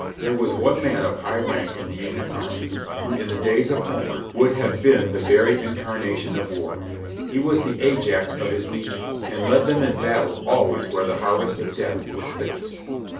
There was one man of high rank in the Union Army, who in the days of Homer would have been the very incarnation of War. He was the Ajax of his legions, and led them in battle always where the harvest of death was thickest.